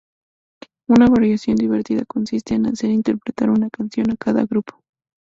Una variación divertida consiste en hacer interpretar una canción a cada grupo.